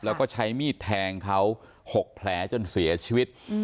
แล้วก็ใช้มีดแทงเขา๖แผลจนเสียชีวิต